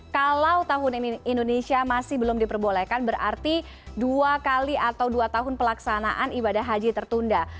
kalau tahun ini indonesia masih belum diperbolehkan berarti dua kali atau dua tahun pelaksanaan ibadah haji tertunda